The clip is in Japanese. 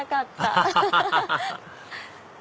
アハハハ